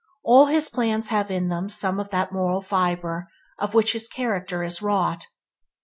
All his plans have in them some of that moral fiber of which his character is wrought.